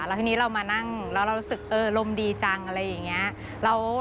แล้วทีนี้เรามานั่งแล้วเรารู้สึกเอออารมณ์ดีจังอะไรอย่างนี้